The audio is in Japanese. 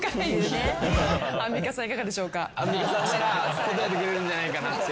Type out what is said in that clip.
アンミカさんなら答えてくれるんじゃないかなって。